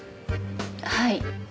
はい。